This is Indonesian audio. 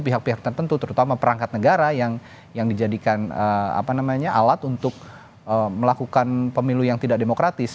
pihak pihak tertentu terutama perangkat negara yang dijadikan alat untuk melakukan pemilu yang tidak demokratis